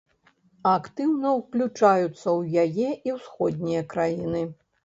Актыўна ўключаюцца ў яе і ўсходнія краіны.